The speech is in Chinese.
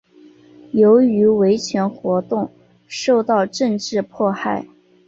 由于维权活动受到政治迫害。